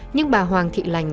nhưng bà hoàng thị lành